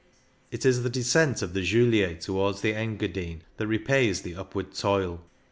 It is the descent of the Julier towards the Engadine that repays the upward toil.